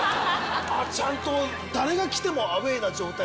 ちゃんと誰が来てもアウェーな状態といいますか。